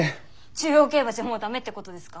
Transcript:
中央競馬じゃもう駄目ってことですか？